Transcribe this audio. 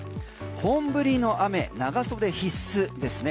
本降りの雨、長袖必須ですね。